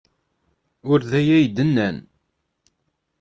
Ur d aya ay d-nnan.